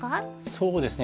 そうですね